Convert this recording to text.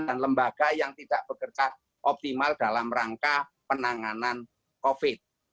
dan lembaga yang tidak bekerja optimal dalam rangka penanganan covid